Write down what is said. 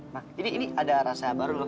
nah ini ada rasa baru loh